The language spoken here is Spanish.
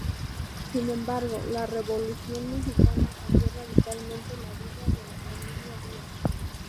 Sin embargo, la revolución mexicana cambió radicalmente la vida de la familia Díaz.